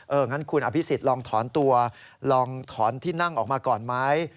งั้นคุณอภิษฎลองถอนตัวลองถอนที่นั่งออกมาก่อนไหม